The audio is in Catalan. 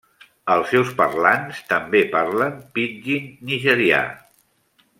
Els seus parlants també parlen pidgin nigerià.